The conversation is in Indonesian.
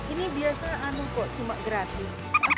ini biasa anu kok cuma gratis